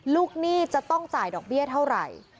หนี้จะต้องจ่ายดอกเบี้ยเท่าไหร่